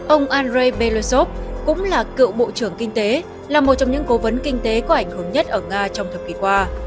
ông andrei belosov cũng là cựu bộ trưởng kinh tế là một trong những cố vấn kinh tế có ảnh hưởng nhất ở nga trong thập kỷ qua